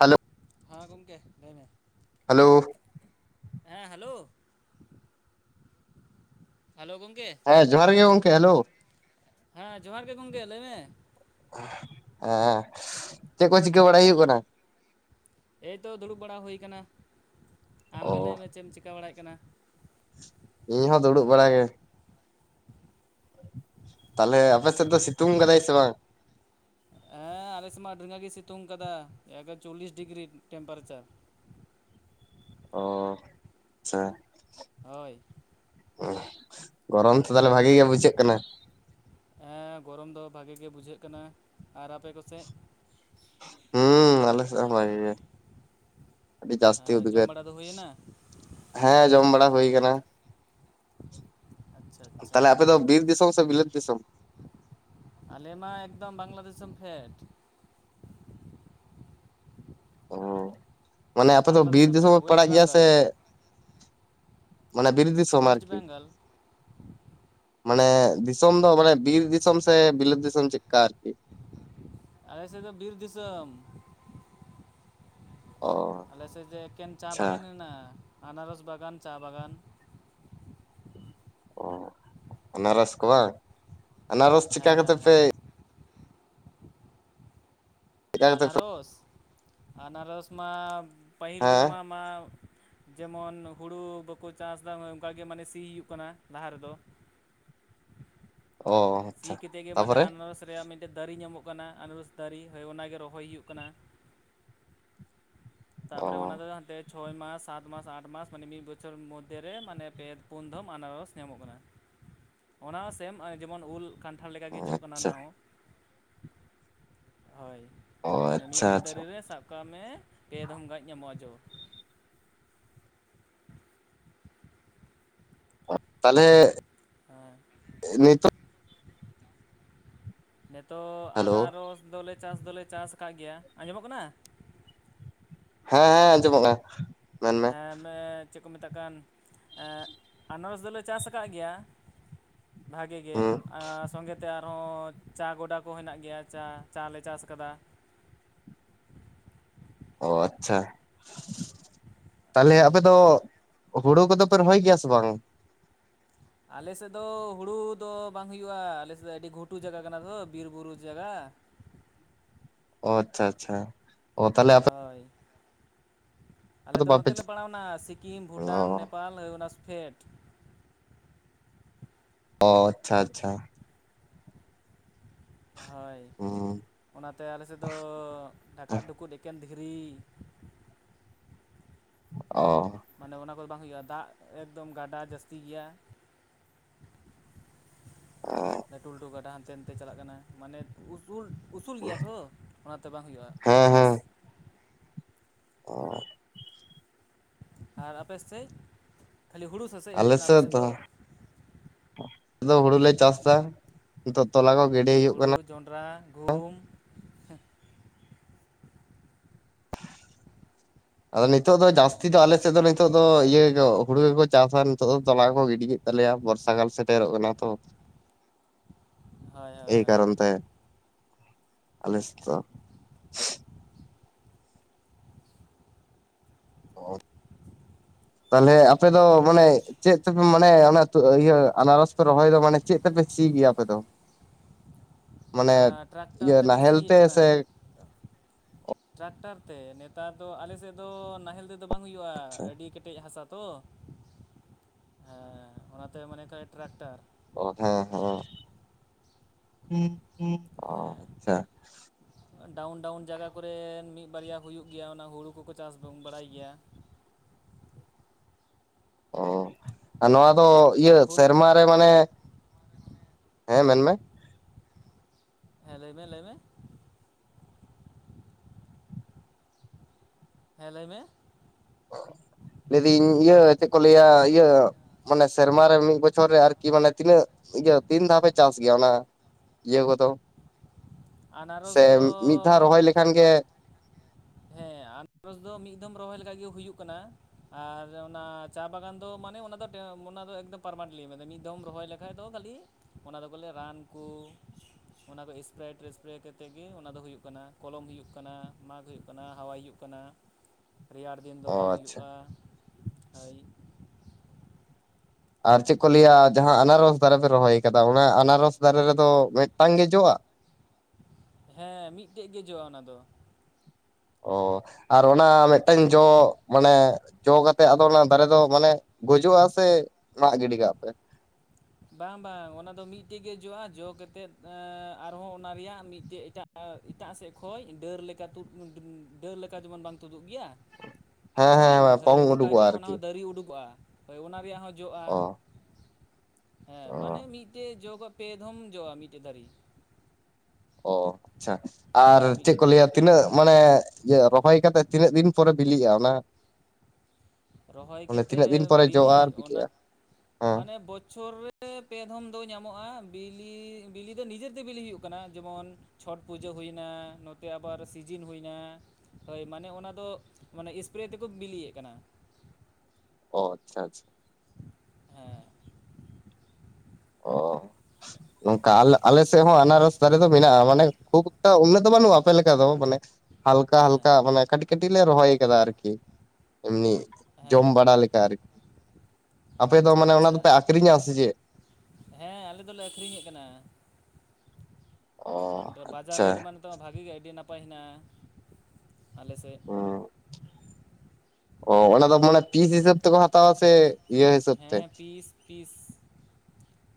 Hello ᱦᱮᱸ ᱜᱚᱢᱠᱮ ᱞᱟᱹᱭ ᱢᱮ ᱦᱮᱞᱳ ᱦᱮᱸ ᱦᱮᱞᱳ ᱦᱮᱞᱳ ᱜᱚᱢᱠᱮ ᱦᱮᱸ ᱡᱚᱦᱟᱨ ᱜᱮ ᱜᱚᱢᱠᱮ ᱦᱮᱞᱳ ᱦᱮᱸ ᱡᱚᱦᱟᱨ ᱜᱮ ᱜᱚᱢᱠᱮ ᱞᱟᱹᱭ ᱢᱮ ᱦᱮᱸ ᱪᱮᱫ ᱠᱚ ᱪᱤᱠᱟᱹ ᱵᱟᱲᱟᱭ ᱦᱩᱭᱩᱜ ᱠᱟᱱᱟ? ᱮᱭᱛᱚ ᱫᱩᱲᱩᱵ ᱵᱟᱲᱟ ᱦᱩᱭ ᱠᱟᱱᱟ ᱟᱢ ᱚ ᱜᱮ ᱞᱟᱹᱭᱢᱮ ᱪᱮᱜ ᱮᱢ ᱪᱮᱠᱟ ᱵᱟᱲᱟᱭᱮᱫ ᱠᱟᱱᱟ ᱤᱧᱦᱚᱸ ᱫᱩᱲᱩᱵ ᱵᱟᱲᱟ ᱜᱮ ᱛᱟᱞᱦᱮ ᱟᱯᱮᱥᱮᱫ ᱫᱚ ᱥᱤᱛᱩᱝ ᱠᱟᱫᱟᱭ ᱥᱮ ᱵᱟᱝ ᱦᱮᱸ ᱟᱞᱮᱥᱮᱫ ᱢᱟ ᱟᱰᱹᱤ ᱨᱟᱜᱤ ᱜᱮ ᱥᱤᱛᱩᱝ ᱠᱟᱫᱟ ᱮᱠᱫᱚᱢ ᱪᱚᱞᱞᱤᱥ ᱰᱤᱜᱽᱨᱤ ᱴᱮᱢᱯᱟᱨᱮᱪᱟᱨ ᱚ ᱟᱪᱪᱷᱟ ᱦᱳᱭ [unintelligible] ᱜᱚᱨᱚᱢ ᱛᱚ ᱛᱟᱞᱦᱮ ᱵᱷᱟᱜᱮ ᱜᱮ ᱵᱩᱡᱷᱟᱹᱜ ᱠᱟᱱᱟ ᱦᱮᱸ ᱜᱚᱨᱚᱢ ᱫᱚ ᱵᱷᱟᱜᱮ ᱜᱮ ᱵᱩᱡᱷᱟᱹᱜ ᱠᱟᱱᱟ ᱟᱨ ᱟᱯᱮ ᱠᱚ ᱦᱩᱸ ᱟᱞᱮ ᱥᱮᱫ ᱦᱚᱸ ᱵᱷᱟᱜᱮ ᱜᱮ ᱟᱹᱰᱤ ᱡᱟᱹᱥᱛᱤ ᱡᱚᱢ ᱩᱫᱽᱜᱟᱹᱨ ᱵᱟᱲᱟ ᱫᱚ ᱦᱩᱭᱮᱱᱟ ᱦᱮᱸ ᱡᱚᱢ ᱵᱟᱲᱟ ᱦᱩᱭ ᱠᱟᱱᱟ ᱟᱪᱪᱷᱟ ᱟᱪᱪᱷᱟ ᱛᱟᱞᱦᱮ ᱟᱯᱮ ᱫᱚ ᱵᱤᱨ ᱫᱤᱥᱚᱢ ᱥᱮ ᱵᱤᱞᱟᱹᱛ ᱫᱤᱥᱚᱢ ᱟᱞᱮ ᱢᱟ ᱮᱠᱫᱚᱢ ᱵᱟᱝᱞᱟ ᱫᱤᱥᱚᱢ ᱯᱷᱮᱰ ᱚ ᱢᱟᱱᱮ ᱟᱯᱮ ᱫᱚ ᱵᱟᱝᱞᱟ ᱵᱤᱨ ᱫᱤᱥᱚᱢ ᱯᱷᱮᱰ ᱯᱮ ᱳᱭᱮᱥᱴ ᱯᱟᱲᱟᱜ ᱜᱮᱭᱟ ᱵᱮᱝᱜᱚᱞ ᱥᱮ ᱢᱟᱱᱮ ᱵᱤᱨ ᱫᱤᱥᱚᱢ ᱳᱭᱮᱥᱴ ᱟᱨᱠᱤ ᱵᱮᱝᱜᱚᱞ ᱢᱟᱱᱮ ᱫᱤᱥᱚᱢ ᱫᱚ ᱢᱟᱱᱮ ᱵᱤᱨ ᱫᱤᱥᱚᱢ ᱥᱮ ᱵᱤᱞᱟᱹᱛ ᱫᱤᱥᱚᱢ ᱪᱮᱫ ᱞᱮᱠᱟ ᱟᱨᱠᱤ? ᱟᱞᱮ ᱥᱮᱫ ᱫᱚ ᱵᱤᱨ ᱫᱤᱥᱚᱢ ᱚ ᱟᱞᱮᱥᱮᱫ ᱫᱚ ᱮᱠᱮᱱ ᱪᱟ ᱟᱪᱪᱷᱟ ᱵᱟᱜᱟᱱ ᱦᱮᱱᱟᱜᱼᱟ ᱟᱱᱟᱨᱚᱥ ᱵᱟᱜᱟᱱ ᱪᱟ ᱵᱟᱜᱟᱱ ᱚ ᱟᱱᱟᱨᱚᱥ ᱠᱚ ᱵᱟᱝ ᱟᱱᱟᱨᱚᱥ ᱪᱤᱠᱟ ᱦᱮᱸ ᱠᱟᱛᱮ ᱦᱮᱸ ᱯᱮ ᱦᱮᱸ ᱪᱤᱠᱟ ᱠᱟᱛᱮ ᱯᱮ ᱟᱱᱟᱨᱚᱥ ᱟᱱᱟᱨᱚᱥ ᱢᱟ ᱯᱟᱹᱦᱤᱞ ᱦᱮᱸ ᱨᱮᱢᱟ ᱢᱟ ᱡᱮᱢᱚᱱ ᱦᱩᱲᱩ ᱵᱟᱠᱚ ᱪᱟᱥᱫᱟ ᱚᱱᱠᱟ ᱜᱮ ᱢᱟᱱᱮ ᱥᱤ ᱦᱩᱭᱩᱜ ᱠᱟᱱᱟ ᱞᱟᱦᱟ ᱨᱮᱫᱚ ᱚ ᱥᱤ ᱟᱪᱪᱷᱟ ᱠᱟᱛᱮᱫ ᱜᱮ ᱢᱟᱱᱮ ᱛᱟᱯᱚᱨᱮ ᱟᱱᱟᱨᱚᱥ ᱨᱮᱭᱟᱜ ᱢᱤᱫ ᱴᱮᱡ ᱫᱟᱨᱮ ᱧᱟᱢᱚᱜ ᱠᱟᱱᱟ ᱟᱱᱟᱨᱚᱥ ᱫᱟᱨᱮ ᱦᱳᱭ ᱚᱱᱟᱜᱮ ᱨᱚᱦᱚᱭ ᱦᱩᱭᱩᱜ ᱠᱟᱱᱟ ᱚ ᱛᱟᱯᱚᱨᱮ ᱚᱱᱟ ᱠᱚ ᱟᱛᱮ ᱪᱷᱚᱭ ᱢᱟᱥ ᱥᱟᱛ ᱢᱟᱥ ᱟᱴ ᱢᱟᱥ ᱢᱟᱱᱮ ᱢᱤᱫ ᱵᱚᱪᱷᱚᱨ ᱢᱚᱫᱷᱮᱨᱮ ᱢᱟᱱᱮ ᱯᱮ ᱯᱩᱱ ᱫᱷᱚᱢ ᱟᱱᱟᱨᱚᱥ ᱧᱟᱢᱚᱜ ᱠᱟᱱᱟ᱾ ᱚᱱᱟ ᱦᱚᱸ ᱥᱮᱢ ᱡᱮᱢᱚᱱ ᱩᱞ ᱠᱟᱱᱴᱷᱟᱲ ᱞᱮᱠᱟ ᱜᱮ ᱡᱚᱜ ᱠᱟᱱᱟ ᱟᱪᱪᱷᱟ ᱚᱱᱟ ᱦᱚᱸ ᱦᱳᱭ ᱚ ᱢᱟᱱᱮ ᱟᱪᱪᱷᱟ ᱢᱤᱫᱴᱮᱡ ᱟᱪᱪᱷᱟ ᱫᱟᱨᱮ ᱨᱮ ᱥᱟᱵ ᱠᱟᱜ ᱢᱮ ᱯᱮ ᱫᱷᱚᱢ ᱜᱟᱡ ᱧᱟᱢᱚᱜᱼᱟ ᱡᱚ ᱛᱟᱞᱦᱮ ᱦᱮᱸ ᱱᱤᱛᱚᱜ ᱱᱤᱛᱚᱜ ᱦᱮᱞᱳ ᱟᱱᱟᱨᱚᱥ ᱫᱚᱞᱮ ᱪᱟᱥ ᱫᱚᱞᱮ ᱪᱟᱥ ᱠᱟᱜ ᱜᱮᱭᱟ ᱟᱸᱡᱚᱢᱼᱚᱜ ᱠᱟᱱᱟ ᱦᱮᱸ ᱦᱮᱸ ᱟᱸᱡᱚᱢᱼᱚᱜ ᱠᱟᱱᱟ ᱢᱮᱱᱢᱮ ᱮᱸᱜ ᱚᱱᱮ ᱪᱮᱫ ᱠᱚ ᱢᱮᱛᱟᱜ ᱠᱟᱱ ᱟᱱᱟᱨᱚᱥ ᱫᱚᱞᱮ ᱪᱟᱥ ᱟ ᱠᱟᱜ ᱜᱮᱭᱟ ᱵᱷᱟᱜᱤ ᱜᱮ ᱦᱩᱸ ᱥᱚᱸᱜᱮᱛᱮ ᱟᱨᱦᱚᱸ ᱪᱟ ᱜᱚᱰᱟ ᱠᱚ ᱦᱮᱸᱱᱟᱜ ᱜᱮᱭᱟ ᱪᱟ ᱪᱟ ᱞᱮ ᱪᱟᱥ ᱠᱟᱫᱟ ᱚ ᱟᱪᱪᱷᱟ ᱛᱟᱦᱞᱮ ᱦᱳᱭ ᱟᱯᱮ ᱫᱚ ᱦᱩᱲᱩ ᱠᱚᱫᱚ ᱯᱮ ᱨᱚᱦᱚᱭ ᱜᱮᱭᱟ ᱥᱮ ᱵᱟᱝ? ᱟᱞᱮᱥᱮᱫ ᱫᱚ ᱦᱩᱲᱩ ᱫᱚ ᱵᱟᱝ ᱦᱩᱭᱩᱜᱼᱟ ᱟᱞᱮ ᱥᱮᱫ ᱫᱚ ᱟᱹᱰᱤ ᱜᱷᱩᱴᱩ ᱡᱟᱭᱜᱟ ᱠᱟᱱᱟ ᱛᱚ ᱵᱤᱨ ᱵᱩᱨᱩ ᱡᱟᱭᱜᱟ ᱚ ᱟᱪᱪᱷᱟ ᱟᱪᱪᱷᱟ ᱚ ᱛᱟᱞᱦᱮ ᱦᱳᱭ ᱟᱞᱮ ᱫᱚ ᱱᱚᱛᱮ ᱞᱮ ᱯᱟᱲᱟᱣᱱᱟ ᱥᱤᱠᱤᱢ ᱚ ᱵᱷᱩᱴᱟᱱ ᱱᱮᱯᱟᱞ ᱯᱷᱮᱴ ᱚ ᱟᱪᱪᱷᱟ ᱟᱪᱪᱷᱟ ᱦᱳᱭ ᱦᱩᱸ ᱚᱱᱟ ᱛᱮ ᱟᱞᱮ ᱥᱮᱫ ᱫᱚ ᱚ ᱰᱷᱟᱠᱟᱫ ᱰᱩᱠᱩᱡ ᱮᱠᱮᱱ ᱫᱷᱤᱨᱤ ᱚ ᱢᱟᱱᱮ ᱚᱱᱟ ᱠᱚᱫᱚ ᱵᱟᱝ ᱦᱩᱭᱩᱜᱼᱟ ᱫᱟᱜ ᱮᱠᱫᱚᱢ ᱜᱟᱰᱟ ᱡᱟᱹᱥᱛᱤ ᱜᱮᱭᱟ ᱞᱟᱹᱴᱩ ᱞᱟᱹᱴᱩ ᱠᱟᱴᱟ ᱦᱟᱱᱛᱮ ᱱᱟᱛᱮ ᱪᱟᱞᱟᱜ ᱠᱟᱱᱟ ᱢᱟᱱᱮ ᱩᱥᱩᱞ ᱩᱥᱩᱞ ᱜᱮᱭᱟ ᱛᱷᱚ ᱚᱱᱟᱛᱮ ᱵᱟᱝ ᱦᱩᱭᱩᱜᱼᱟ ᱦᱮᱸ ᱪᱟᱥ ᱚᱸᱻ ᱟᱨ ᱟᱯᱮ ᱥᱮᱫ ᱠᱷᱟᱹᱞᱤ ᱦᱩᱲᱩ ᱥᱮᱥᱮᱫ ᱦᱩᱭᱩᱜ ᱠᱟᱱᱟ ᱟᱯᱮ ᱥᱮᱫ ᱫᱚ? ᱟᱫᱚ ᱦᱩᱲᱩᱞᱮ ᱪᱟᱥᱫᱟ ᱱᱤᱛᱳᱜ ᱛᱚᱞᱟ ᱠᱚ ᱜᱤᱰᱤ ᱦᱩᱭᱩᱜ ᱠᱟᱱᱟ ᱾ ᱡᱚᱸᱰᱨᱟ, ᱜᱷᱩᱢ, ᱟᱫᱚ ᱱᱤᱛᱚᱜ ᱫᱚ ᱡᱟᱹᱥᱛᱤ ᱫᱚ ᱟᱞᱮ ᱥᱮᱫ ᱫᱚ ᱱᱤᱛᱚᱜ ᱫᱚ ᱤᱭᱟᱹ ᱦᱩᱲᱩ ᱜᱮᱠᱚ ᱪᱟᱥᱟ ᱱᱤᱛᱚᱜ ᱫᱚ ᱛᱚᱞᱟ ᱠᱚᱠᱚ ᱜᱤᱰᱤ ᱛᱟᱞᱮᱭᱟ ᱵᱚᱨᱥᱟ ᱠᱟᱞ ᱥᱮᱴᱮᱨᱚᱜ ᱠᱟᱱᱟ ᱛᱚ ᱦᱳᱭ ᱦᱳᱭ ᱮᱭ ᱦᱳᱭ ᱠᱟᱨᱚᱱ ᱛᱮ ᱟᱞᱮ ᱥᱮᱫ ᱫᱚ ᱛᱟᱞᱦᱮ ᱟᱯᱮ ᱫᱚ ᱢᱟᱱᱮ ᱪᱮᱫ ᱛᱮᱯᱮ ᱢᱟᱱᱮ ᱤᱭᱟᱹ ᱟᱱᱟᱨᱚᱥ ᱯᱮ ᱨᱚᱦᱚᱭ ᱮᱫᱟ ᱢᱟᱱᱮ ᱪᱮᱫ ᱛᱮᱯᱮ ᱥᱤ ᱜᱮᱭᱟ ᱟᱯᱮ ᱫᱚ? ᱢᱟᱱᱮ ᱴᱨᱟᱠᱴᱟᱨ ᱤᱭᱟᱹ ᱛᱮᱞᱮ ᱱᱟᱦᱮᱞ ᱥᱤ ᱛᱮ ᱮᱫ ᱠᱟᱱᱟ᱾ ᱥᱮ ᱴᱨᱟᱠᱴᱟᱨ ᱛᱮ ᱱᱮᱛᱟᱨ ᱫᱚ ᱟᱞᱮ ᱥᱮᱫ ᱫᱚ ᱱᱟᱦᱮᱞ ᱛᱮᱫᱚ ᱵᱟᱝ ᱦᱩᱭᱩᱜᱼᱟ ᱟᱹᱰᱤ ᱠᱮᱴᱮᱡ ᱦᱟᱥᱟ ᱛᱚ ᱦᱮᱸ ᱚᱱᱟᱛᱮ ᱢᱟᱱᱮ ᱠᱟᱭᱛᱮ ᱴᱨᱟᱠᱴᱟᱨ ᱚ [unintelligible] [inaudible] ᱦᱮᱸ ᱟᱪᱪᱷᱟ ᱰᱟᱣᱩᱱ ᱰᱟᱣᱩᱱ ᱡᱟᱭᱜᱟ ᱠᱚᱨᱮ ᱢᱤᱫ ᱵᱟᱨᱭᱟ ᱦᱩᱭᱩᱜ ᱜᱮᱭᱟ ᱚᱱᱟ ᱦᱩᱲᱩ ᱠᱚᱠᱚ ᱪᱟᱥ ᱫᱚᱢ ᱵᱟᱲᱟᱭ ᱜᱮᱭᱟ ᱾ ᱚ ᱟᱨ ᱱᱚᱣᱟ ᱫᱚ ᱤᱭᱟᱹ ᱟᱨ ᱦᱩᱞ ᱥᱮᱨᱢᱟ ᱨᱮ ᱢᱟᱱᱮ ᱦᱮᱸ ᱢᱮᱱᱢᱮ ᱦᱮᱸ ᱞᱟᱹᱭᱢᱮ ᱞᱟᱹᱭ ᱢᱮ ᱦᱮᱸ ᱞᱟᱹᱭ ᱢᱮ ᱾ ᱞᱟᱹᱭᱫᱟᱹᱧ ᱤᱭᱟᱹ ᱪᱮᱫ ᱠᱚ ᱞᱟᱹᱭᱟ ᱤᱭᱟᱹ ᱢᱟᱱᱮ ᱥᱮᱨᱢᱟᱨᱮ ᱢᱤᱫ ᱵᱚᱪᱷᱚᱨ ᱨᱮ ᱟᱨᱠᱤ ᱢᱟᱱᱮ ᱛᱤᱱᱟᱹᱜ ᱤᱭᱟᱹ ᱛᱤᱱ ᱫᱷᱟᱣ ᱯᱮ ᱪᱟᱥ ᱜᱮᱭᱟ? ᱚᱱᱟ ᱤᱭᱟᱹ ᱠᱚᱫᱚ ᱟᱱᱟᱨᱚᱥ ᱥᱮ ᱫᱚ ᱢᱤᱫ ᱫᱷᱟᱣ ᱨᱚᱦᱚᱭ ᱞᱮᱠᱷᱟᱱ ᱜᱮ ᱦᱮᱸ ᱟᱱᱟᱨᱚᱥ ᱫᱚ ᱢᱤᱫ ᱫᱚᱢ ᱨᱚᱦᱚᱭ ᱞᱮᱠᱟᱡ ᱜᱮ ᱦᱩᱭᱩᱜ ᱠᱟᱱᱟ ᱟᱨ ᱚᱱᱟ ᱪᱟ ᱵᱟᱜᱟᱱ ᱫᱚ ᱢᱟᱱᱮ ᱚᱱᱟ ᱫᱚ ᱚᱱᱟ ᱫᱚ ᱮᱠᱫᱚᱢ ᱯᱟᱨᱢᱟᱱᱮᱱᱴ ᱞᱤ [unintelligible] ᱢᱤᱫ ᱫᱷᱚᱢ ᱨᱚᱦᱚᱭ ᱞᱮᱠᱷᱟᱡ ᱫᱚ ᱠᱷᱟᱹᱞᱤ ᱚᱱᱟ ᱫᱚ ᱠᱚ ᱞᱟᱹᱭᱟ ᱨᱟᱱ ᱠᱚ ᱚᱱᱟ ᱠᱚ [unintelligible] ᱥᱯᱨᱮ ᱠᱟᱛᱮᱫ ᱜᱮ ᱚᱱᱟ ᱫᱚ ᱦᱩᱭᱩᱜ ᱠᱟᱱᱟ ᱠᱚᱞᱚᱢ ᱦᱩᱭᱩᱜ ᱠᱟᱱᱟ, ᱢᱟᱜᱽ ᱦᱩᱭᱩᱜ ᱠᱟᱱᱟ, ᱦᱟᱣᱟᱭ ᱦᱩᱭᱩᱜ ᱠᱟᱱᱟ ᱾ ᱨᱮᱭᱟᱲ ᱫᱤᱱ ᱫᱚ ᱚ ᱵᱟᱝ ᱟᱪᱪᱷᱟ ᱦᱩᱭᱩᱜᱼᱟ ᱟᱹᱭ ᱟᱨ ᱪᱮᱫ ᱠᱚ ᱞᱟᱹᱭᱟ ᱡᱟᱦᱟᱸ ᱟᱱᱟᱨᱚᱥ ᱫᱟᱨᱮ ᱯᱮ ᱨᱚᱦᱚᱭ ᱠᱟᱫᱟ ᱚᱱᱟ ᱟᱱᱟᱨᱚᱥ ᱫᱟᱨᱮ ᱨᱮᱫᱚ ᱢᱮᱫᱴᱟᱝ ᱜᱮ ᱡᱚᱜᱼᱟ? ᱦᱮᱸ ᱢᱤᱫᱴᱮᱡ ᱜᱮ ᱡᱚᱜᱼᱟ ᱚᱱᱟ ᱫᱚ ᱾ ᱚ ᱟᱨ ᱚᱱᱟ ᱢᱮᱫᱴᱟᱝ ᱡᱚ ᱢᱟᱱᱮ ᱡᱚ ᱠᱟᱛᱮ ᱟᱫᱚ ᱚᱱᱟ ᱫᱟᱨᱮ ᱫᱚ ᱢᱟᱱᱮ ᱜᱚᱡᱚᱜᱼᱟ ᱥᱮ ᱡᱟᱜ ᱜᱤᱰᱤ ᱠᱟᱜ-ᱟ ᱯᱮ? ᱵᱟᱝ ᱵᱟᱝ ᱚᱱᱟ ᱫᱚ ᱢᱤᱫᱴᱮᱡ ᱜᱮ ᱡᱚᱜᱼᱟ ᱡᱚ ᱠᱟᱛᱮᱫ ᱟᱨᱦᱚᱸ ᱚᱱᱟ ᱨᱮᱭᱟᱜ ᱢᱤᱫᱴᱮᱡ ᱮᱴᱟᱜ ᱟᱨ ᱮᱴᱟᱜ ᱥᱮᱫ ᱠᱷᱚᱡ ᱰᱟᱹᱨ ᱞᱮᱠᱟ ᱛᱩᱫ ᱰᱟᱹ ᱰᱟᱹᱨ ᱞᱮᱠᱟ ᱡᱮᱢᱚᱱ ᱵᱟᱝ ᱛᱩᱫᱩᱜ ᱜᱮᱭᱟ? ᱦᱮᱸ ᱦᱮᱸ ᱯᱚᱭᱮᱱᱴ ᱦᱳᱭ ᱯᱚᱝ ᱩᱰᱩᱠᱚᱜᱼᱟ ᱚᱱᱠᱟᱜᱮ ᱚᱱᱟ ᱟᱨᱠᱤ ᱦᱚᱸ ᱫᱟᱨᱮ ᱩᱰᱩᱠᱚᱜᱼᱟ ᱦᱳᱭ ᱚᱱᱟ ᱨᱮᱭᱟᱜ ᱦᱚᱸ ᱡᱚᱜᱼᱟ ᱾ ᱚ ᱦᱮᱸ ᱚ ᱢᱟᱱᱮ ᱢᱤᱫᱴᱮᱱ ᱡᱚᱟᱜ ᱯᱮ ᱫᱷᱚᱢ ᱡᱚᱼᱟ ᱢᱤᱫᱴᱮᱱ ᱝᱟᱹᱨᱤ ᱚ ᱟᱪᱪᱷᱟ ᱟᱨ ᱪᱮᱫ ᱢᱤᱫᱴᱮᱡ ᱠᱚ ᱫᱟᱨᱮ ᱞᱟᱹᱭᱟ ᱠᱷᱚᱡ ᱯᱮ ᱛᱤᱱᱟᱹᱜ ᱫᱷᱚᱢ ᱢᱟᱱᱮ ᱤᱭᱟᱹ ᱨᱚᱦᱚᱭ ᱠᱟᱛᱮᱮᱫ ᱛᱤᱱᱟᱹᱜ ᱫᱤᱱ ᱯᱚᱨᱮ ᱵᱤᱞᱤᱜᱼᱟ ᱚᱱᱟ? ᱨᱚᱦᱚᱭ ᱢᱟᱱᱮ ᱛᱤᱱᱟᱹᱜ ᱫᱤᱱ ᱠᱟᱛᱮᱮᱫ ᱯᱚᱨᱮ ᱡᱚᱜᱼᱟ ᱵᱤᱞᱤᱜ ᱟᱨ ᱚᱱᱟ ᱵᱤᱞᱤᱜᱼᱟ ᱦᱮᱸ ᱢᱟᱱᱮ ᱵᱚᱪᱷᱚᱨ ᱨᱮ ᱨᱮ ᱯᱮ ᱫᱷᱚᱢ ᱫᱚ ᱧᱟᱢᱚᱜᱼᱟ ᱵᱤᱞᱤ ᱵᱤᱞᱤ ᱫᱚ ᱱᱤᱡᱮᱨᱛᱮ ᱵᱤᱞᱤ ᱦᱩᱭᱩᱜ ᱠᱟᱱᱟ ᱡᱮᱢᱚᱱ ᱪᱷᱚᱴ ᱯᱩᱡᱟᱹ ᱦᱩᱭᱱᱟ, ᱱᱚᱛᱮ ᱟᱵᱟᱨ ᱥᱤᱡᱤᱱ ᱦᱩᱭᱱᱟ ᱾ ᱦᱳᱭ ᱢᱟᱱᱮ ᱚᱱᱟ ᱫᱚ ᱢᱟᱱᱮ ᱥᱯᱨᱮ ᱛᱮᱠᱚ ᱵᱤᱞᱤᱭᱮᱫ ᱠᱟᱱᱟ ᱚ ᱟᱪᱪᱷᱟ ᱟᱪᱪᱷᱟ ᱦᱮᱸ ᱚ ᱱᱚᱝᱠᱟᱞᱮ ᱟᱞ ᱟᱞᱮ ᱥᱮᱫ ᱦᱚᱸ ᱟᱱᱟᱨᱚᱥ ᱫᱟ--ᱨᱮᱫᱚ ᱢᱮᱱᱟᱜᱼᱟ ᱢᱟᱱᱮ ᱠᱷᱩᱵ ᱮ ᱩᱱᱟᱹᱜ ᱫᱚ ᱵᱟᱹᱱᱩᱜᱼᱟ ᱟᱯᱮ ᱞᱮᱠᱟ ᱫᱚ ᱢᱟᱱᱮ ᱦᱟᱞᱠᱟ ᱦᱮᱸ ᱦᱟᱞᱠᱟ ᱢᱟᱱᱮ ᱠᱟᱹᱴᱤᱡ ᱠᱟᱹᱴᱤᱡ ᱞᱮ ᱨᱚᱦᱚᱭ ᱠᱟᱫᱟ ᱟᱨᱠᱤ ᱮᱢᱱᱤ ᱡᱚᱢ ᱦᱮᱸ ᱵᱟᱲᱟ ᱞᱮᱠᱟ ᱟᱨᱠᱤ ᱟᱯᱮ ᱫᱚ ᱟᱪᱪᱷᱟ ᱢᱟᱱᱮ ᱚᱱᱟ ᱟᱪᱪᱷᱟ ᱫᱚᱯᱮ ᱟᱠᱷᱨᱤᱧᱟ ᱥᱮ ᱪᱮᱫ? ᱦᱮᱸ ᱟᱞᱮ ᱫᱚᱞᱮ ᱟᱹᱠᱷᱨᱤᱧᱮᱫ ᱠᱟᱱᱟ ᱾ ᱚ ᱵᱟᱡᱟᱨ ᱟᱪᱪᱷᱟ ᱨᱮᱴ ᱢᱟ ᱱᱤᱛᱚᱜ ᱢᱟ ᱵᱷᱟᱜᱤ ᱜᱮ ᱟᱹᱰᱤ ᱱᱟᱯᱟᱭ ᱦᱮᱱᱟᱜᱼᱟ ᱟᱞᱮ ᱥᱮᱫ᱾ ᱚ ᱚᱱᱟ ᱫᱚ ᱢᱟᱱᱮ ᱯᱤᱥ ᱦᱤᱥᱟᱹᱵ ᱛᱮᱠᱚ ᱦᱟᱛᱟᱣᱟ ᱥᱮ ᱤᱭᱟᱹ ᱦᱤᱥᱟᱹᱵ ᱛᱮ ᱦᱮᱸ ᱯᱤᱥ ᱯᱤᱥ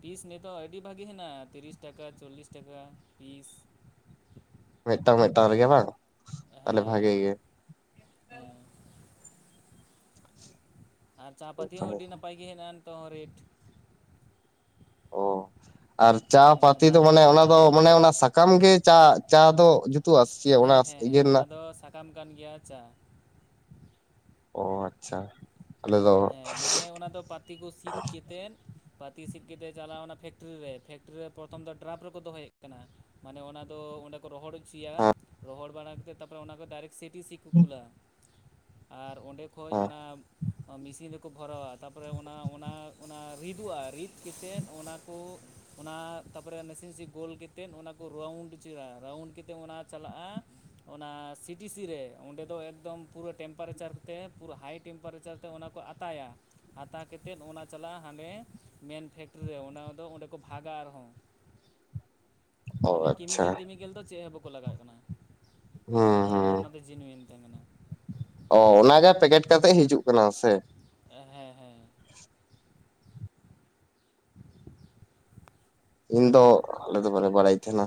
ᱯᱤᱥ ᱱᱤᱛᱚᱜ ᱟᱹᱰᱤ ᱵᱷᱟᱹᱜᱤ ᱦᱮᱱᱟᱜᱼᱟ ᱛᱤᱨᱤᱥ ᱴᱟᱠᱟ ᱪᱚᱞᱞᱤᱥ ᱴᱟᱠᱟ ᱯᱤᱥ, ᱢᱮᱴᱟᱝ ᱢᱮᱴᱟᱝ ᱨᱮᱜᱮ ᱵᱟᱝ ᱛᱟᱦᱞᱮ ᱦᱮᱸ ᱵᱷᱟᱜᱮ ᱜᱮ ᱮᱸ ᱟᱨ ᱪᱟᱯᱟᱹᱛᱤ ᱦᱚᱸ ᱟᱹᱰᱤ ᱱᱟᱯᱟᱭ ᱜᱮ ᱦᱮᱱᱟᱜ-ᱟ ᱱᱤᱛᱚᱜ ᱦᱚᱸ ᱨᱮᱴ ᱾ ᱚ ᱟᱨ ᱪᱟ ᱯᱟᱹᱛᱤ ᱫᱚ ᱫᱟᱢ ᱢᱟᱱᱮ ᱚᱱᱟ ᱫᱚ ᱢᱟᱱᱮ ᱚᱱᱟ ᱥᱟᱠᱟᱢ ᱜᱮ ᱪᱟ ᱪᱟ ᱫᱚ ᱡᱩᱛᱩᱜᱼᱟ? ᱥᱮ ᱪᱮ ᱚᱱᱟ ᱦᱮᱸ ᱦᱮᱸ ᱤᱭᱟᱹ ᱦᱮᱸ ᱚᱱᱟ ᱨᱮᱱᱟᱜ ᱫᱚ ᱥᱟᱠᱟᱢ ᱠᱟᱱ ᱜᱮᱭᱟ ᱪᱟᱟ ᱾ ᱚ ᱟᱪᱪᱷᱟ ᱾ ᱦᱮᱸ ᱢᱟᱱᱮ ᱚᱱᱟ ᱫᱚ ᱯᱟᱛᱤ ᱠᱚ ᱥᱤᱫ ᱠᱮᱛᱮᱫ ᱯᱟᱹᱛᱤ ᱥᱤᱛ ᱠᱟᱛᱮᱫ ᱪᱟᱞᱟᱣ ᱮᱱᱟ ᱯᱷᱮᱠᱴᱨᱤ ᱨᱮ ᱯᱷᱮᱠᱴᱨᱤ ᱨᱮ ᱯᱨᱚᱛᱷᱚᱢ ᱫᱚ ᱰᱨᱟᱯ ᱨᱮᱠᱚ ᱫᱚᱦᱚᱭᱮᱫ ᱠᱟᱱᱟ ᱢᱟᱱᱮ ᱚᱱᱟ ᱫᱚ ᱚᱸᱰᱮ ᱠᱚ ᱨᱚᱦᱚᱲ ᱦᱚᱪᱚᱭᱟ ᱦᱮᱸ ᱨᱚᱦᱚᱲ ᱵᱟᱲᱟ ᱠᱟᱛᱮᱫ ᱛᱟᱨᱯᱚᱨᱮ ᱚᱱᱟ ᱠᱚ ᱰᱟᱭᱨᱮᱠ ᱥᱤᱴᱤ ᱥᱤ ᱠᱚ ᱠᱩᱞᱟ ᱟᱨ ᱚᱸᱰᱮ ᱠᱷᱚᱡ ᱦᱮᱸ ᱚᱱᱟ ᱛᱤᱱ ᱨᱮᱠᱚ ᱵᱷᱚᱨᱟᱣ-ᱟ ᱛᱟᱯᱚᱨᱮ ᱚᱱᱟ ᱚᱱᱟ ᱚᱱᱟ ᱨᱤᱫᱚᱜᱼᱟ ᱨᱤᱫ ᱠᱟᱛᱮᱫ ᱚᱱᱟ ᱠᱚ ᱚᱱᱟ ᱛᱟᱯᱚᱨᱮ ᱱᱟᱥᱮ ᱱᱟᱥᱮ ᱜᱳᱞ ᱠᱟᱛᱮᱫ ᱠᱟᱛᱮᱫ ᱚᱱᱟ ᱠᱚ ᱨᱟᱣᱩᱱᱰ ᱦᱚᱪᱚᱭ-ᱟ ᱨᱟᱣᱩᱱᱰ ᱠᱟᱛᱮᱫ ᱚᱱᱟ ᱪᱟᱞᱟᱜᱼᱟ ᱚᱱᱟ ᱥᱤᱴᱤᱥᱤ ᱨᱮ ᱚᱸᱰᱮ ᱫᱚ ᱮᱠᱫᱚᱢ ᱯᱩᱨᱟᱹ ᱴᱮᱢᱯᱟᱨᱮᱪᱟᱨ ᱛᱮ ᱯᱩᱨᱟᱹ ᱦᱟᱭ ᱴᱮᱢᱯᱟᱨᱮᱪᱟᱨ ᱛᱮ ᱚᱱᱟ ᱠᱚ ᱟᱛᱟᱭᱟ᱾ ᱟᱛᱟ ᱠᱟᱛᱮᱫ ᱚᱱᱟ ᱪᱟᱞᱟᱜᱼᱟ ᱦᱟᱸᱰᱮ ᱢᱮᱱ ᱯᱷᱮᱠᱴᱨᱤ ᱨᱮ ᱚᱱᱟ ᱫᱚ ᱚᱸᱰᱮ ᱠᱚ ᱵᱷᱟᱜᱟ ᱟᱨᱦᱚᱸ ᱚ ᱢᱟᱱᱮ ᱟᱪᱪᱷᱟ ᱠᱮᱢᱤᱠᱮᱞ ᱴᱮᱢᱤᱠᱮᱞ ᱫᱚ ᱪᱮᱫ ᱦᱚᱸ ᱵᱟᱠᱚ ᱞᱟᱜᱟᱣᱟᱜ ᱠᱟᱱᱟ ᱦᱩᱸ ᱮᱠᱫᱚᱢ ᱦᱩᱸ ᱚᱱᱟ ᱫᱚ ᱡᱤᱱᱩᱭᱮᱱ ᱛᱮ ᱢᱮᱱᱟᱜ ᱟ ᱚ ᱚᱱᱟᱜᱮ ᱯᱮᱠᱮᱴ ᱠᱟᱛᱮᱜ ᱦᱤᱡᱩᱜ ᱠᱟᱱᱟ ᱥᱮ? ᱦᱮᱸ ᱦᱮᱸ ᱤᱧ ᱫᱚ ᱟᱞᱮ ᱫᱚ ᱵᱟᱞᱮ ᱵᱟᱲᱟᱭ ᱛᱟᱦᱮᱱᱟ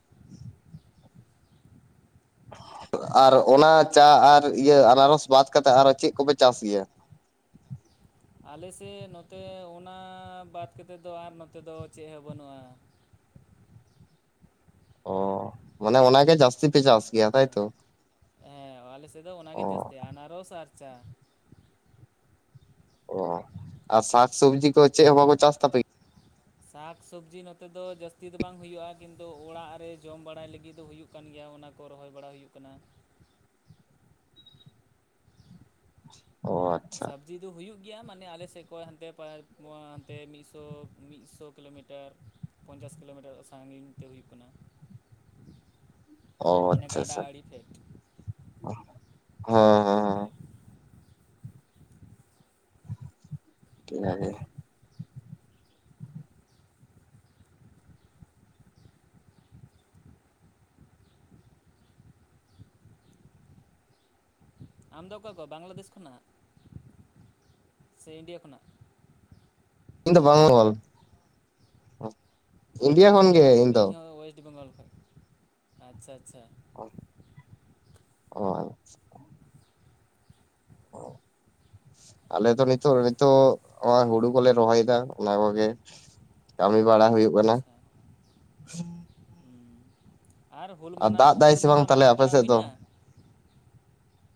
[inaudible] ᱟᱨ ᱚᱱᱟ ᱪᱟ ᱟᱨ ᱤᱭᱟᱹ ᱟᱱᱟᱨᱚᱥ ᱵᱟᱫ ᱠᱟᱛᱮᱫ ᱟᱨᱚ ᱪᱮᱫ ᱠᱚᱯᱮ ᱪᱟᱥ ᱜᱮᱭᱟ? ᱟᱞᱮ ᱥᱮᱫ ᱱᱚᱛᱮ ᱚᱱᱟ ᱵᱟᱫ ᱠᱟᱛᱮᱫ ᱫᱚ ᱟᱨ ᱱᱚᱛᱮ ᱫᱚ ᱪᱮᱫ ᱦᱚᱸ ᱵᱟᱹᱱᱩᱜᱼᱟ᱾ ᱚ ᱢᱟᱱᱮ ᱚᱱᱟᱜᱮ ᱡᱟᱹᱥᱛᱤ ᱯᱮ ᱪᱟᱥ ᱜᱮᱭᱟ ᱛᱟᱭᱛᱚ ᱦᱮᱸ ᱮᱸ ᱟᱞᱮ ᱥᱮᱫ ᱫᱚ ᱚ ᱚᱱᱟᱜᱮ ᱡᱟᱹᱥᱛᱤ ᱟᱱᱟᱨᱚᱥ ᱟᱨ ᱪᱟ᱾ ᱚ ᱟᱨ ᱥᱟᱠ ᱥᱚᱵᱽᱡᱤ ᱠᱚ ᱪᱮᱫ ᱦᱚᱸ ᱵᱟᱠᱚ ᱪᱟᱥ ᱛᱟᱯᱮ ᱜᱮᱭᱟ ᱥᱟᱠ ᱥᱚᱵᱽᱡᱤ ᱱᱚᱛᱮ ᱫᱚ ᱡᱟᱹᱥᱛᱤ ᱫᱚ ᱵᱟᱝ ᱦᱩᱭᱩᱜᱼᱟ ᱠᱤᱱᱛᱩ ᱚᱲᱟᱜ ᱨᱮ ᱡᱚᱢ ᱵᱟᱲᱟᱭ ᱞᱟᱹᱜᱤᱫ ᱫᱚ ᱦᱩᱭᱩᱜ ᱦᱩᱭᱩᱜ ᱠᱟᱱ ᱜᱮᱭᱟ ᱚᱱᱟ ᱠᱚ ᱨᱚᱦᱚᱭ ᱵᱟᱲᱟ ᱦᱩᱭᱩᱜ ᱠᱟᱱᱟ᱾ ᱚ ᱟᱪᱪᱷᱟ ᱥᱚᱵᱽᱡᱤ ᱫᱚ ᱦᱩᱭᱩᱜ ᱜᱮᱭᱟ ᱢᱟᱱᱮ ᱟᱞᱮᱥᱮᱫ ᱠᱷᱚᱱ ᱦᱟᱱᱛᱮ ᱦᱟᱱᱛᱮ ᱢᱤᱫᱥᱚ ᱢᱤᱫᱥᱚ ᱠᱤᱞᱳᱢᱤᱴᱟᱨ᱾ ᱯᱚᱧᱪᱟᱥ ᱠᱤᱞᱳᱢᱤᱴᱟᱨ ᱥᱟᱜᱤᱧ ᱛᱮ ᱦᱩᱭᱩᱜ ᱠᱟᱱᱟ ᱚ ᱢᱟᱱᱮ ᱟᱪᱪᱷᱟ ᱜᱟᱰᱟ ᱟᱪᱪᱷᱟ ᱟᱲᱮ ᱯᱷᱮᱰ ᱦᱮᱸ ᱦᱮᱸ [unintelligible] ᱟᱢᱫᱚ ᱚᱠᱟ ᱠᱷᱚᱡ ᱵᱟᱝᱞᱟᱫᱮᱥ ᱠᱷᱚᱱᱟᱜ ᱥᱮ ᱤᱱᱰᱤᱭᱟ ᱠᱷᱚᱱᱟᱜ? ᱤᱧ ᱫᱚ ᱵᱮᱝᱜᱚᱞ᱾ ᱚᱳᱭᱮᱥᱴ ᱵᱮᱝᱜᱚᱞ ᱚ ᱤᱧ ᱦᱚᱸ ᱚᱭᱮᱥᱴ ᱵᱮᱝᱜᱚᱞ ᱠᱷᱚᱡ ᱟᱪᱪᱷᱟ ᱟᱪᱪᱷᱟ ᱚ ᱟᱪᱪᱷᱟ [inaudible] ᱟᱞᱮ ᱫᱚ ᱱᱤᱛᱚᱜ ᱱᱤᱛᱚᱜ ᱦᱩᱲᱩ ᱠᱚᱞᱮ ᱨᱚᱦᱚᱭᱮᱫᱟ ᱚᱱᱟ ᱠᱚᱜᱮ᱾ ᱠᱟᱹᱢᱤ ᱵᱟᱲᱟ ᱦᱩᱭᱩᱜ ᱠᱟᱱᱟ᱾ ᱟᱪᱪᱷᱟ ᱦᱩᱸ ᱟᱨ ᱦᱩᱞ ᱢᱟᱱᱟᱣ ᱫᱟᱜ ᱫᱟᱭ ᱦᱩᱞ ᱥᱮ ᱢᱟᱦᱟ ᱵᱟᱝ ᱛᱟᱦᱞᱮ ᱢᱟᱱᱟᱣ ᱟᱯᱮ ᱵᱟᱲᱟ ᱥᱮᱫ ᱫᱚ ᱦᱩᱭᱱᱟ?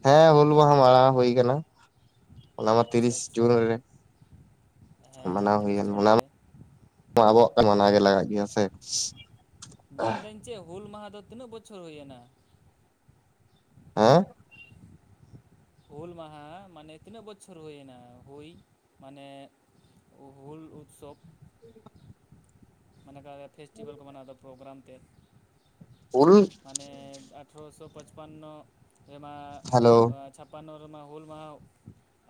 ᱦᱮᱸ ᱦᱩᱞ ᱢᱟᱦᱟ ᱢᱟᱲᱟᱝ ᱦᱩᱭ ᱠᱟᱱᱟ ᱚᱱᱟᱢᱟ ᱟᱪᱪᱷᱟ ᱛᱤᱨᱤᱥ ᱟᱪᱪᱷᱟ ᱡᱩᱱ ᱨᱮ ᱦᱮᱸ ᱦᱮᱸ ᱢᱟᱱᱟᱣ ᱦᱩᱭ ᱛᱤᱨᱤᱥ ᱠᱟᱱᱟ ᱡᱩᱱ ᱚᱱᱟ ᱨᱮ ᱟᱵᱚᱣᱟᱜ ᱠᱟᱱᱟ ᱢᱟᱱᱟᱣ ᱜᱮ ᱞᱟᱜᱟᱜ ᱜᱮᱭᱟ ᱥᱮ ᱢᱮᱱᱫᱟᱹᱧ ᱪᱮᱫ ᱦᱩᱞ ᱢᱟᱦᱟ ᱫᱚ ᱛᱤᱱᱟᱹᱜ ᱵᱚᱪᱷᱚᱨ ᱦᱩᱭᱮᱱᱟ ᱟᱸ ᱦᱩᱞ ᱢᱟᱦᱟ ᱢᱟᱱᱮ ᱛᱤᱱᱟᱹᱜ ᱵᱚᱪᱷᱚᱨ ᱦᱩᱭᱱᱟ ᱦᱩᱭ ᱢᱟᱱᱮ ᱦᱩᱞ ᱩᱛᱥᱚᱵᱽ ᱢᱟᱱᱮ ᱯᱷᱮᱥᱴᱤᱵᱮᱞ ᱠᱚ ᱢᱟᱱᱟᱣᱫᱟ ᱯᱨᱳᱜᱨᱟᱢ ᱛᱮᱫ ᱩᱞ ᱢᱟᱱᱮ ᱟᱴᱷᱨᱚᱥᱚ ᱯᱟᱪᱯᱟᱱᱱᱚ ᱨᱮᱢᱟ ᱦᱮᱞᱳ ᱮᱸ [unintelligible] ᱦᱩᱞ ᱢᱟᱦᱟ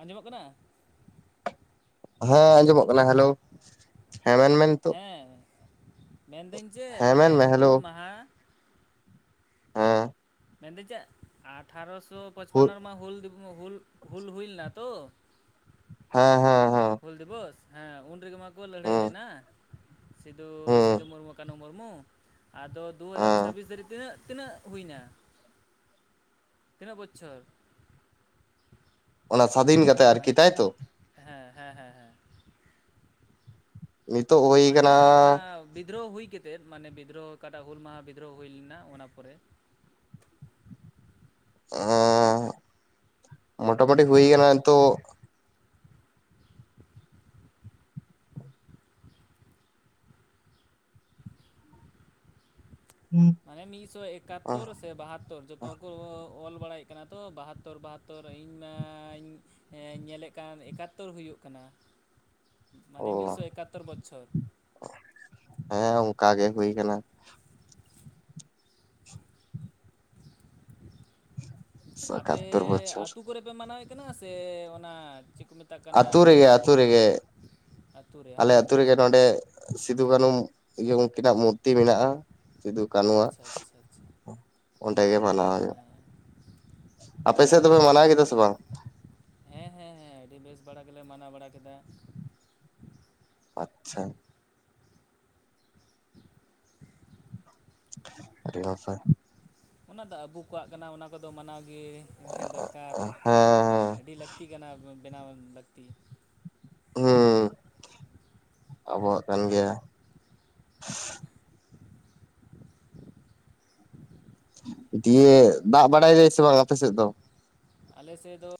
ᱟᱸᱡᱚᱢᱚᱜ ᱠᱟᱱᱟ ᱦᱮᱸ ᱟᱸᱡᱚᱢᱚᱜ ᱠᱟᱱᱟ ᱦᱮᱞᱳ ᱦᱮᱸ ᱢᱮᱱᱢᱮ ᱱᱤᱛᱚᱜ ᱦᱮᱸ ᱢᱮᱱᱫᱟᱹᱧ ᱡᱮ ᱦᱮᱸ ᱢᱟᱱᱮ ᱢᱮᱱ ᱢᱮ ᱦᱮᱞᱳ ᱦᱩᱞ ᱢᱟᱦᱟ [unintelligible] ᱢᱮᱱᱫᱟᱹᱧ ᱪᱮᱫ ᱟᱴᱷᱟᱨᱚᱥᱚ ᱦᱩ ᱯᱚᱪᱯᱟᱱᱱᱚ ᱨᱮᱢᱟ ᱦᱩᱞ ᱦᱩᱞ ᱦᱩᱞ ᱦᱩᱭ ᱞᱮᱱᱟ ᱛᱚ? ᱦᱮᱸ ᱦᱮᱸ ᱦᱮᱸ ᱦᱩᱞ ᱫᱤᱵᱚᱥ ᱦᱮᱸ ᱩᱱ ᱨᱮᱜᱮ ᱢᱟᱠᱚ ᱞᱟᱹᱲᱦᱟᱹᱭ ᱦᱩᱸ ᱞᱮᱱᱟ᱾ ᱥᱤᱫᱩ ᱦᱩᱸ ᱥᱤᱫᱩ ᱢᱩᱨᱢᱩ ᱠᱟᱹᱱᱦᱩ ᱢᱩᱨᱢᱩ ᱟᱫᱚ ᱫᱩ ᱦᱟᱡᱟᱨ ᱦᱮᱸ ᱪᱷᱟᱵᱤᱥ ᱫᱷᱟᱹᱵᱤᱡ ᱛᱤᱱᱟᱹᱜ ᱛᱤᱱᱟᱹᱜ ᱦᱩᱭᱱᱟ? ᱛᱤᱱᱟᱹᱜ ᱵᱚᱪᱷᱚᱨ? ᱚᱱᱟ ᱥᱟᱫᱷᱤᱱ ᱠᱟᱛ ᱢᱟᱱᱮ ᱦᱮᱸ ᱦᱮᱸ ᱦᱮᱸ ᱦᱮᱸ ᱱᱤᱛᱚᱜ ᱦᱩᱭ ᱢᱟᱱᱮ ᱠᱟᱱᱟ ᱚᱱᱟ ᱵᱤᱫᱽᱫᱨᱳ ᱦᱩᱭ ᱠᱟᱛᱮᱫ ᱛᱮᱫ ᱢᱟᱱᱮ ᱵᱤᱫᱽᱨᱚᱦᱚ ᱚᱠᱟᱴᱟᱜ ᱦᱩᱞ ᱢᱟᱦᱟ ᱵᱤᱫᱽᱨᱚᱦᱚ ᱦᱩᱭ ᱞᱮᱱᱟ ᱚᱱᱟ ᱯᱚᱨᱮ ᱚ ᱢᱚᱴᱟᱢᱩᱴᱤ ᱦᱩᱭ ᱠᱟᱱᱟ ᱱᱤᱛᱚᱜ [inaudible] [inaudible] ᱢᱟᱱᱮ ᱢᱤᱫᱥᱚ ᱮᱠᱟᱛᱳᱨ ᱥᱮ ᱵᱟᱦᱟᱛᱳᱨ ᱡᱚᱛ ᱛᱚ ᱠᱚ ᱚᱞ ᱵᱟᱲᱟᱭᱮᱫ ᱠᱟᱱᱟ ᱛᱚ ᱵᱟᱦᱟᱛᱳᱚᱨ ᱵᱟᱦᱟᱛᱳᱨ ᱤᱧ ᱢᱟᱧ ᱦᱮᱸ ᱧᱮᱞᱮᱫ ᱠᱟᱱ ᱮᱠᱟᱛᱛᱳᱨ ᱦᱩᱭᱩᱜ ᱠᱟᱱᱟ ᱢᱟᱱᱮ ᱚ ᱢᱤᱫᱥᱚ ᱮᱠᱟᱛᱛᱳᱨ ᱵᱚᱪᱷᱚᱨ ᱦᱮᱸ ᱚᱱᱠᱟ ᱜᱮ ᱦᱩᱭ ᱠᱟᱱᱟ ᱟᱯᱮ ᱮᱠᱟᱛᱛᱳᱨ ᱵᱚᱪᱷᱚᱨ ᱟᱹᱛᱩ ᱠᱚᱨᱮ ᱯᱮ ᱢᱟᱱᱟᱣᱮᱫ ᱠᱟᱱᱟ ᱥᱮ ᱚᱱᱟ ᱪᱮᱫ ᱠᱚ ᱢᱮᱛ ᱟᱹᱛᱩ ᱨᱮᱜᱮ ᱟᱹᱛᱩ ᱨᱮᱜᱮ ᱟᱹᱛᱩ ᱨᱮ ᱟᱞᱮ ᱦᱟᱝ ᱟᱹᱛᱩ ᱨᱮᱜᱮ ᱱᱚᱰᱮ ᱥᱤᱫᱩ ᱠᱟᱹᱱᱩ ᱮ ᱩᱱᱠᱤᱱᱟᱜ ᱢᱩᱨᱛᱤ ᱢᱮᱱᱟᱜ-ᱟ ᱥᱤᱫᱩ ᱠᱟᱹᱱᱩᱣᱟᱜ ᱟᱪᱪᱷᱟ ᱟᱪᱪᱷᱟ ᱟᱪᱪᱷᱟ ᱚᱸᱰᱮ ᱜᱮ ᱢᱟᱱᱟᱣ ᱦᱩᱭᱩᱜ-ᱟ᱾ ᱟᱯᱮ ᱥᱮᱫ ᱫᱚᱯᱮ ᱢᱟᱱᱟᱣ ᱠᱮᱫᱟ ᱥᱮ ᱵᱟᱝ? ᱦᱮᱸ ᱦᱮᱸ ᱦᱮᱸ ᱟᱹᱰᱤ ᱵᱮᱥ ᱵᱟᱲᱟ ᱜᱮᱞᱮ ᱢᱟᱱᱟᱣ ᱵᱟᱲᱟ ᱠᱮᱫᱟ ᱟᱪᱪᱷᱟ ᱟᱹᱰᱤ ᱱᱟᱯᱟᱭ ᱚᱱᱟᱫᱚ ᱟᱵᱚ ᱠᱚᱣᱟᱜ ᱠᱟᱱᱟ ᱚᱱᱟ ᱠᱚᱫᱚ ᱢᱟᱱᱟᱣ ᱜᱮ ᱫᱚᱨᱠᱟᱨ ᱦᱮᱸ ᱦᱮᱸ ᱟᱹᱰᱤ ᱞᱟᱹᱠᱛᱤ ᱠᱟᱱᱟ ᱵᱮᱱᱟᱣ ᱞᱟᱹᱠᱛᱤ ᱦᱩᱸ ᱟᱵᱚᱣᱟᱜ ᱠᱟᱱ ᱜᱮᱭᱟ [inaudible] ᱤᱭᱟ. ᱫᱟᱜ ᱵᱟᱲᱟᱭ ᱫᱟ ᱥᱮ ᱵᱟᱝ ᱟᱯᱮ ᱥᱮᱫ ᱫᱚ ᱟᱞᱮ ᱥᱮᱫ ᱫᱚ